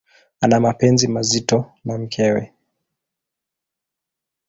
Ana mapenzi mazito na mkewe.